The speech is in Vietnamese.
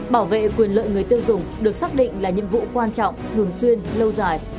bảo vệ quyền lợi người tiêu dùng được xác định là nhiệm vụ quan trọng thường xuyên lâu dài